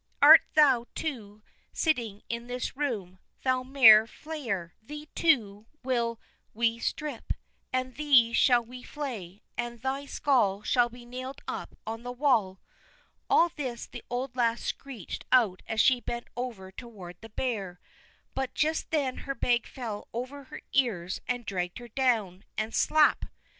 Art thou, too, sitting in this room, thou mare flayer? Thee, too, will we strip, and thee shall we flay, and thy skull shall be nailed up on the wall." All this the old lass screeched out as she bent over toward the bear. But just then her bag fell over her ears, and dragged her down, and slap!